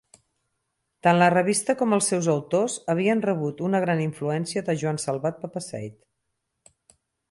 Tant la revista com els seus autors havien rebut una gran influència de Joan Salvat-Papasseit.